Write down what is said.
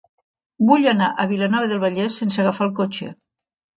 Vull anar a Vilanova del Vallès sense agafar el cotxe.